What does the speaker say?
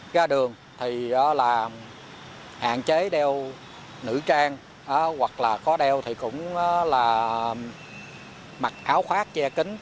ra đường thì là hạn chế đeo nữ trang hoặc là có đeo thì cũng là mặc áo khoác che kính